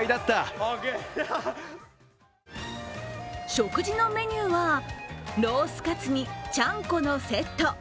食事のメニューはロースカツにちゃんこのセット。